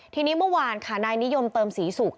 ทีนี้เมื่อวานค่ะนายนิยมเติมศรีศุกร์